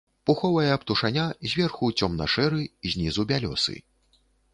Пуховая птушаня зверху цёмна-шэры, знізу бялёсы.